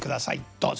どうぞ。